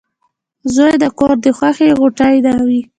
• زوی د کور د خوښۍ غوټۍ وي.